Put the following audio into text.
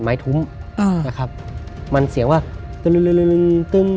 เหตุการณ์หนึ่งก็คือ